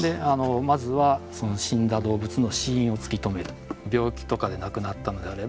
まずは死んだ動物の死因を突き止める。